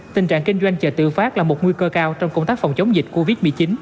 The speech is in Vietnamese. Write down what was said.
tình trạng kinh doanh chợ tự phát là một nguy cơ cao trong công tác phòng chống dịch covid một mươi chín